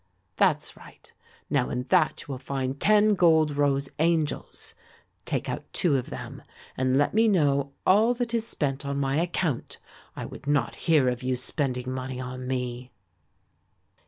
That's right, now in that you will find ten gold rose angels. Take out two of them and let me know all that is spent on my account. I would not hear of you spending money on me."